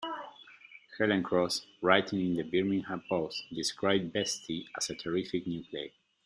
Helen Cross, writing in "The Birmingham Post", described Behzti as "a terrific new play".